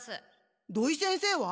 土井先生は？